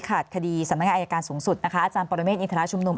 สวัสดีครับคุณจังหวัลครับ